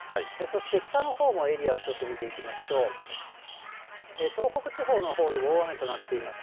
そして、北のほうのエリアをちょっと見ていきますと、東北地方のほうで大雨となっています。